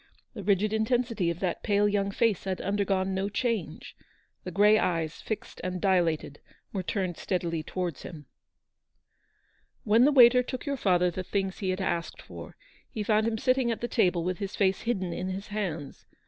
The rigid intensity of that pale young face had undergone no change ; the grey eyes, fixed and dilated, were turned steadilv towards him. 168 " When the waiter took your father the things he had asked for, he found him sitting at the table with his face hidden in his hands.